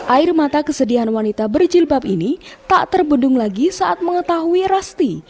air mata kesedihan wanita berjilbab ini tak terbendung lagi saat mengetahui rasti